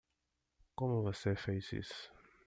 Como você fez isso?